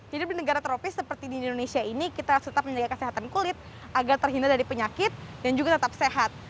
jadi di negara tropis seperti di indonesia ini kita harus tetap menjaga kesehatan kulit agar terhindar dari penyakit dan juga tetap sehat